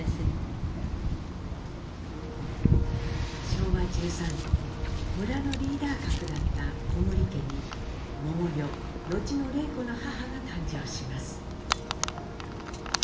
昭和１３年村のリーダー格だった小森家に百代後の礼子の母が誕生します。